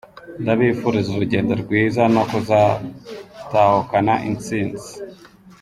Ndabifuriza urugendo rwiza no kuzatahukana intsinzi.